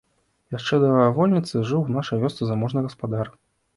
Яшчэ да вольніцы жыў у нашай вёсцы заможны гаспадар.